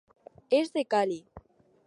És de Cali.